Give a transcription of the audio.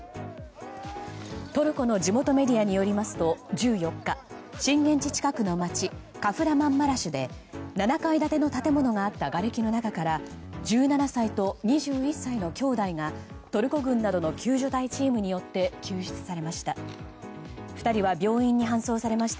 トルコの地元メディアによりますと、１４日震源地近くの街カフラマンマラシュで７階建ての建物があったがれきの中から１７歳と２１歳の兄弟がトルコ軍などの救助隊チームによって救出されました。